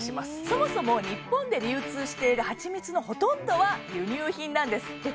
そもそも日本で流通しているはちみつのほとんどは輸入品なんですで